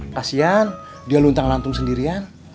kasian dia luntang langsung sendirian